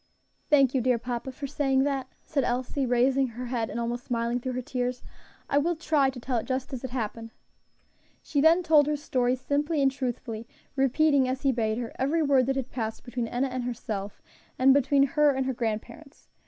"Thank you, dear papa, for saying that," said Elsie, raising her head and almost smiling through her tears. "I will try to tell it just as it happened." She then told her story simply and truthfully, repeating, as he bade her, every word that had passed between Enna and herself, and between her and her grandparents.